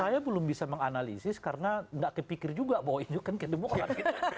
saya belum bisa menganalisis karena nggak kepikir juga bahwa ini kan ke demokrat